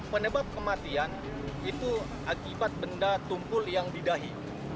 penyebab kematian itu akibat benda tumpul yang didahi